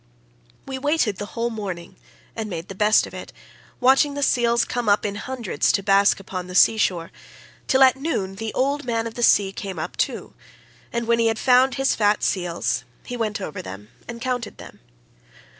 46 "We waited the whole morning and made the best of it, watching the seals come up in hundreds to bask upon the sea shore, till at noon the old man of the sea came up too, and when he had found his fat seals he went over them and counted them.